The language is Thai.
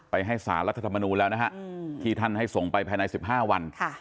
ให้สารรัฐธรรมนูลแล้วนะฮะที่ท่านให้ส่งไปภายใน๑๕วัน